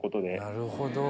なるほど。